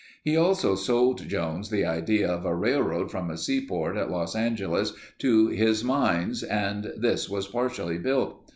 He also sold Jones the idea of a railroad from a seaport at Los Angeles to his mines and this was partially built.